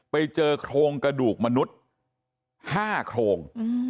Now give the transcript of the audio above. ไปเจอโครงกระดูกมนุษย์๕โครง